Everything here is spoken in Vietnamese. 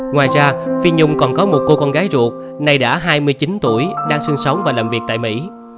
ngoài ra phi nhung còn có một cô con gái ruột nay đã hai mươi chín tuổi đang sinh sống và làm việc tại mỹ